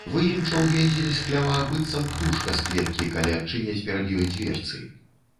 Выімчаў Гензель з хлява, быццам птушка з клеткі, калі адчыняць перад ёй дзверцы